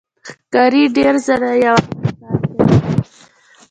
ښکاري ډېر ځله یوازې ښکار کوي.